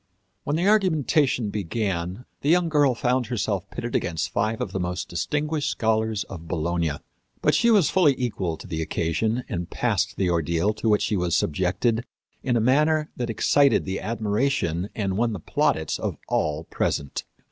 When the argumentation began the young girl found herself pitted against five of the most distinguished scholars of Bologna. But she was fully equal to the occasion and passed the ordeal to which she was subjected in a manner that excited the admiration and won the plaudits of all present.